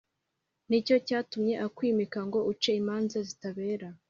Ni cyo cyatumye akwimika ngo uce imanza zitabera